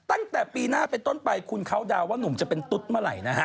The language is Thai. ตั้งแต่ปีหน้าเป็นต้นไปคุณเขาดาวนว่าหนุ่มจะเป็นตุ๊ดเมื่อไหร่นะฮะ